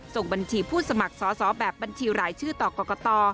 ส่งบัญชีผู้สมัครสอสอแบบบัญชีรายชื่อต่อกรกต